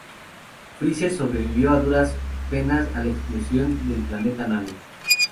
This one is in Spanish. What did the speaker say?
Freezer sobrevivió a duras penas a la explosión del planeta Namek.